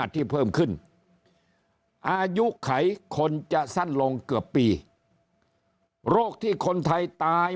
ที่เพิ่มขึ้นอายุไขคนจะสั้นลงเกือบปีโรคที่คนไทยตาย